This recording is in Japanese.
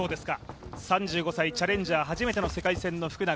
３５歳チャレンジャー、初めての世界戦の福永。